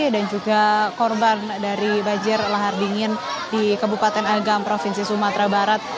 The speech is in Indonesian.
dan juga korban dari bajir lahar dingin di kebupaten agam provinsi sumatera barat